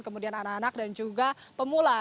kemudian anak anak dan juga pemula